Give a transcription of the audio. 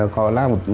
còn làm một chút